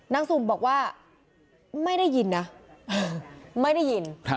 สุ่มบอกว่าไม่ได้ยินนะไม่ได้ยิน